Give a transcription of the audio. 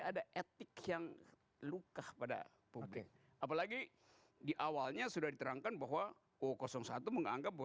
ada etik yang luka pada publik apalagi di awalnya sudah diterangkan bahwa satu menganggap